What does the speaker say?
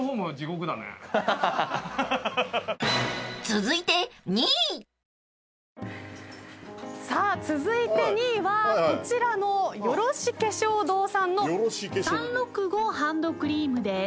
［続いて］さあ続いて２位はこちらのよろし化粧堂さんの３６５ハンドクリームです。